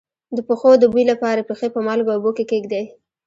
د پښو د بوی لپاره پښې په مالګه اوبو کې کیږدئ